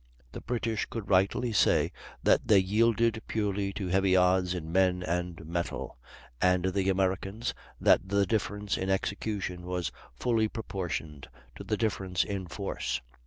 The British could rightly say that they yielded purely to heavy odds in men and metal; and the Americans, that the difference in execution was fully proportioned to the difference in force.